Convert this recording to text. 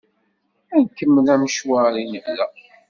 Ad nkemmel amecwar i d-nebda.